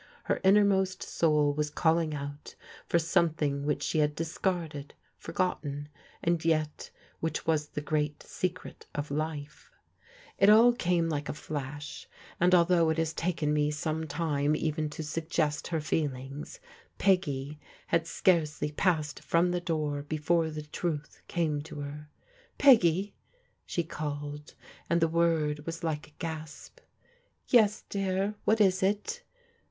Her innermost soul was calling out for something which she had dis carded, forgotten, and yet which was the great secret of life. i 870 PRODIGAL DAUGHTEBS It all came like a flash, and although it has taken me some time even to suggest her feelings, Peggy had scarcely passed from the door before the truth came to her. " Peggy f *' she called, and the word was like a gasp. "Yes, dear, what is it?"